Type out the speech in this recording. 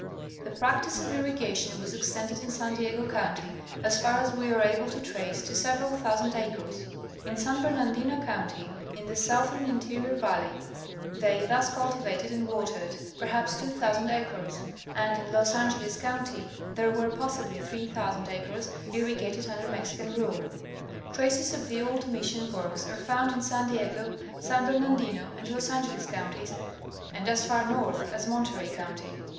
The practice of irrigation was extended in San Diego county, as far as we are able to trace, to several thousand acres ; in San Bernardino county in the southern interior valley, they thus cultivated and watered, perhaps 2000 acres ; and in Los Angeles county there were pos sibly 3000 acres irrigated under Mexican rule. Traces of the old mission works are found in San Diego, San Bernardino and Los Angeles counties, and as far north as Monterey county.